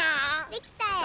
できたよ。